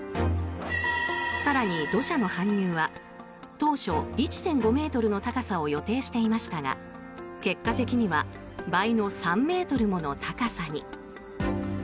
更に、土砂の搬入は当初１．５ｍの高さを予定していましたが結果的には倍の３ｍもの高さに。